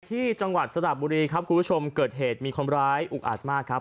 จังหวัดสระบุรีครับคุณผู้ชมเกิดเหตุมีคนร้ายอุกอัดมากครับ